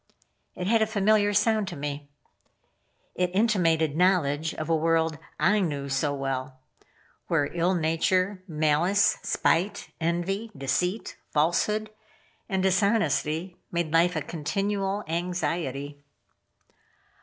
It had a familiar sound to me. It intimated knowledge of a world I knew so well; where ill nature, malice, spite, envy, deceit, falsehood and dishonesty, made life a continual anxiety.